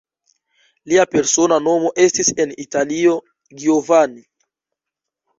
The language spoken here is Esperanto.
Lia persona nomo estis en Italio Giovanni.